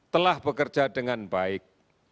telah bekerja dengan baik